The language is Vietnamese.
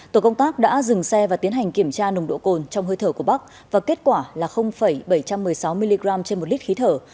tổ công tác đã dừng xe và tiến hành kiểm tra nồng độ cồn trong hơi thở của bắc và kết quả là bảy trăm một mươi sáu mg trên một lít khí thở